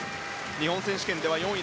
日本選手権では４位。